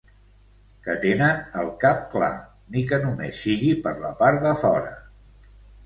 Que tenen el cap clar, ni que només sigui per la part de fora.